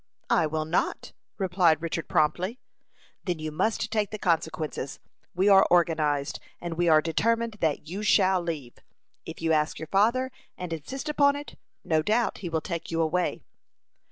"I will not," replied Richard, promptly. "Then you must take the consequences. We are organized, and we are determined that you shall leave. If you ask your father, and insist upon it, no doubt he will take you away."